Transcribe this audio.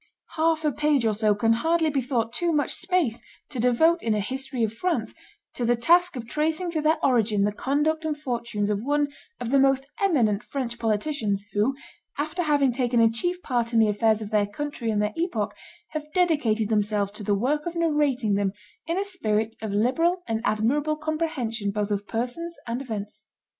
Half a page or so can hardly be thought too much space to devote in a History of France to the task of tracing to their origin the conduct and fortunes of one of the most eminent French politicians, who, after having taken a chief part in the affairs of their country and their epoch, have dedicated themselves to the work of narrating them in a spirit of liberal and admirable comprehension both of persons and events.